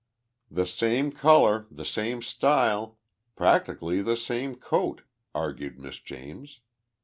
"The same color the same style practically the same coat," argued Miss James.